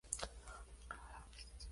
Ambos son afluentes del Danubio.